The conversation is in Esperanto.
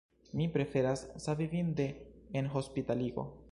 Mi preferas savi vin de enhospitaligo.